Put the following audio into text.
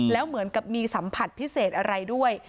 แล้วเหมือนกับมีสัมผัสพิเศษอะไรด้วย